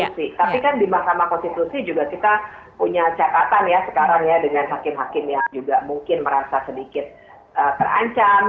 tapi kan di mahkamah konstitusi juga kita punya catatan ya sekarang ya dengan hakim hakim yang juga mungkin merasa sedikit terancam